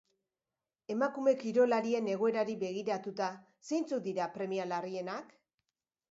Emakume kirolarien egoerari begiratuta, zeintzuk dira premia larrienak?